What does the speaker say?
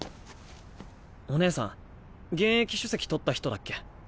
お姉さん現役首席取った人だっけ？